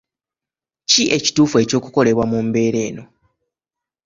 Ki ekituufu eky'okukolebwa mu mbeera eno?